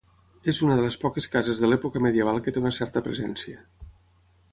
És una de les poques cases de l'època medieval que té una certa presència.